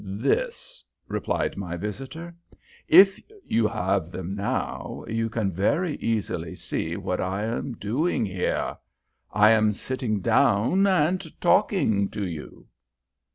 "This," replied my visitor. "If you have them now, you can very easily see what I am doing here. _I am sitting down and talking to you.